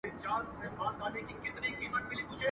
قافلې پر لويو لارو لوټېدلې.